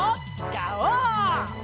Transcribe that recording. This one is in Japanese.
ガオー！